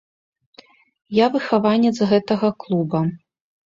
Я выхаванец гэтага клуба.